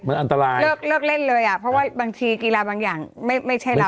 มันอันตรายเลิกเล่นเลยอ่ะเพราะว่าบางทีกีฬาบางอย่างไม่ใช่เรา